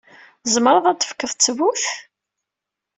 Tzemreḍ ad d-tefkeḍ ttbut?